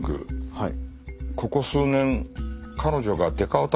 はい。